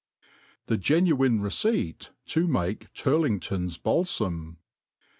\' The genuine Receipt to make Turlington^ s Balfam.